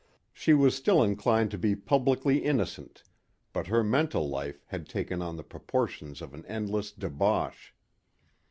She was still inclined to be publicly innocent but her mental life had taken on the proportions of an endless debauch.